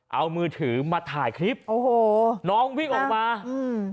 เอามือถือมาถ่ายคลิปโอ้โหน้องวิ่งออกมาอืม